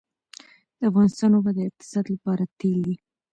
د افغانستان اوبه د اقتصاد لپاره تیل دي